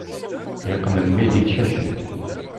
Ad t-yeqqen mmi di tcacit.